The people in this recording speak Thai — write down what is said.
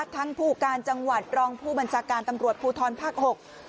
ทั้งผู้การจังหวัดรองผู้บัญชาการตำรวจภูทรภักดิ์๖